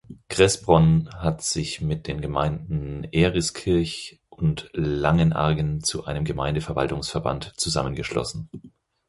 Kressbronn hat sich mit den Gemeinden Eriskirch und Langenargen zu einem Gemeindeverwaltungsverband zusammengeschlossen.